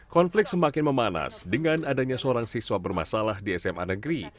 konflik semakin memanas dengan adanya seorang siswa bermasalah di sma negeri